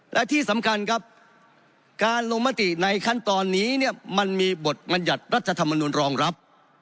และที่สำคัญครับการลงมติในขั้นตอนนี้เนี่ยมันมีบทบัญญัติรัฐธรรมนุนรองรับ